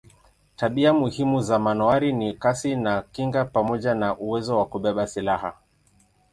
Tabia muhimu za manowari ni kasi na kinga pamoja na uwezo wa kubeba silaha.